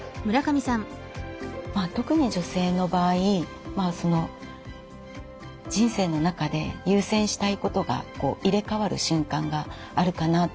特に女性の場合人生の中で優先したいことが入れ代わる瞬間があるかなと思うんですよね。